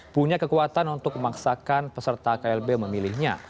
punya kekuatan untuk memaksakan peserta klb memilihnya